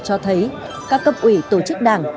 cho thấy các cấp ủy tổ chức đảng